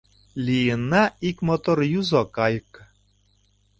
Лийынна ик мотор юзо кайык.